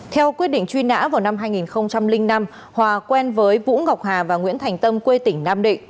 theo quyết định truy nã vào năm hai nghìn năm hòa quen với vũ ngọc hà và nguyễn thành tâm quê tỉnh nam định